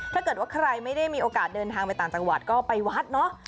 ถ้าเกิดว่าใครไม่ได้มีโอกาสเดินทางไปต่างจังหวัดก็ไปวัดเนาะ